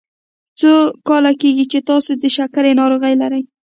څو کاله کیږي چې تاسو د شکرې ناروغي لری؟